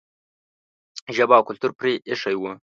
ژبه او کلتور پرې ایښی و.